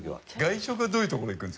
外食はどういう所行くんですか？